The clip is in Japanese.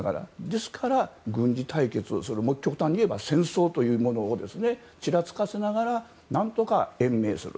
ですから、軍事対決をする極端に言えば戦争というものをちらつかせながら何とか延命する。